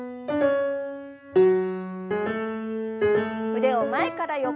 腕を前から横へ。